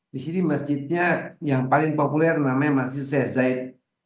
di sini masjidnya yang paling populer namanya masjid sesek